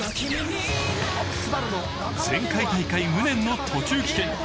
前回大会無念の途中棄権。